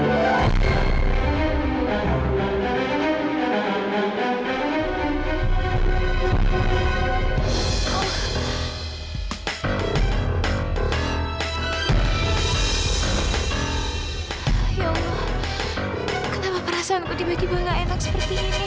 ya allah kenapa perasaanku tiba tiba tidak enak seperti ini